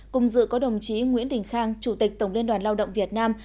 cùng dự có đồng chí nguyễn đình khang chủ tịch tổng liên đoàn lao động việt nam